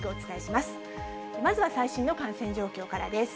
まずは最新の感染状況からです。